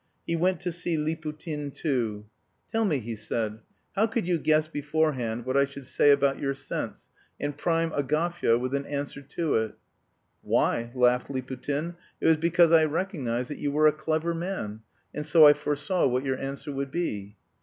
He went to see Liputin too. "Tell me," he said, "how could you guess beforehand what I should say about your sense and prime Agafya with an answer to it?" "Why," laughed Liputin, "it was because I recognised that you were a clever man, and so I foresaw what your answer would be."